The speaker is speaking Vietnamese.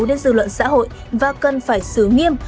đến dư luận xã hội và cần phải xử nghiêm